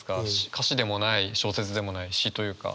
歌詞でもない小説でもない詩というか。